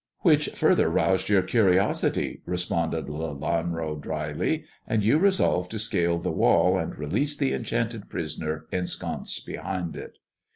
"Which further roused your curiosity," responded ^lanro dryly, " and you resolved to scale the wall, and Release the enchanted prisoner ensconced behind it."